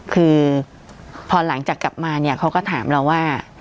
คือพอหลังจากกลับมาเนี่ยเขาก็ถามเราว่า